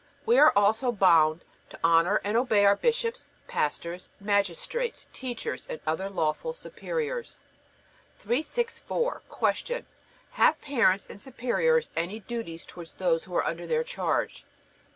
We are also bound to honor and obey our bishops, pastors, magistrates, teachers, and other lawful superiors. 364. Q. Have parents and superiors any duties towards those who are under their charge?